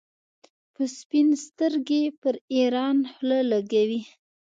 په سپین سترګۍ پر ایران خوله لګوي.